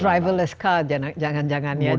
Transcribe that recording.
driverless car jangan jangan ya